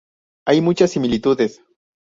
Hay muchas similitudes.